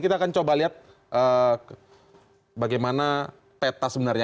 kita akan coba lihat bagaimana peta sebenarnya